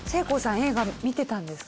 映画見てたんですか？